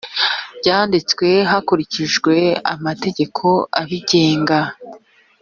ryanditse hakurikijwe amategeko abigenga